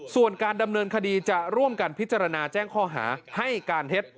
ส่วนการดำเนินคดีจะร่วมกันพิจารณาแจ้งข้อหาให้การเท็จ